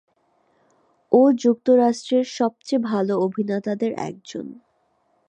ও যুক্তরাষ্ট্রের সবচেয়ে ভালো অভিনেতাদের একজন।